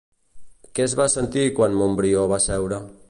Què es va sentir quan Montbrió va seure?